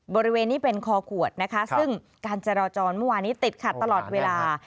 บริเวณนี้เป็นคอขวดนะคะซึ่งการจราจรเมื่อวานี้ติดขัดตลอดเวลา